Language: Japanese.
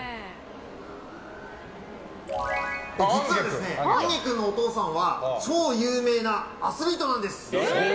実は、あんげ君のお父さんは超有名なアスリートなんです。